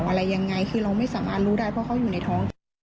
อะไรยังไงคือเราไม่สามารถรู้ได้เพราะเขาอยู่ในท้อง